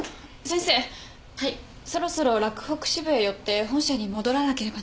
そろそろ洛北支部へ寄って本社に戻らなければなりません。